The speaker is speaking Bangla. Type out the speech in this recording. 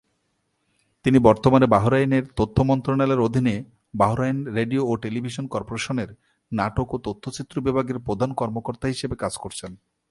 তিনি বর্তমানে বাহরাইনের তথ্য মন্ত্রণালয়ের অধীনে বাহরাইন রেডিও ও টেলিভিশন কর্পোরেশনের নাটক ও তথ্যচিত্র বিভাগের প্রধান কর্মকর্তা হিসেবে কাজ করছেন।